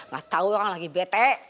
gak tau orang lagi bete